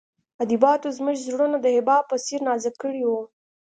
ادبیاتو زموږ زړونه د حباب په څېر نازک کړي وو